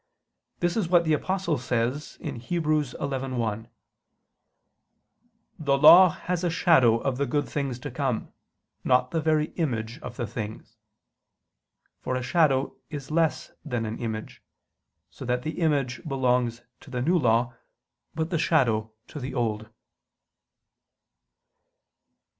This is what the Apostle says (Heb. 11:1): "The Law has [Vulg.: 'having'] a shadow of the good things to come, not the very image of the things": for a shadow is less than an image; so that the image belongs to the New Law, but the shadow to the Old.